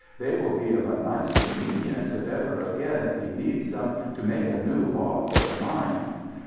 They will be of a nice convenience, if ever again it be needsome to make a new law for the mine."